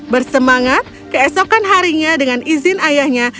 bersemangat keesokan harinya dengan izin ayahnya